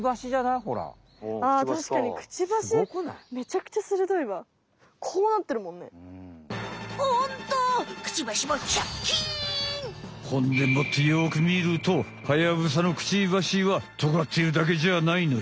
ほんでもってよくみるとハヤブサのクチバシはトガっているだけじゃないのよ。